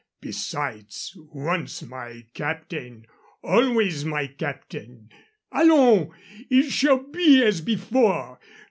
Besides, once my captain, always my captain. Allons! It shall be as before.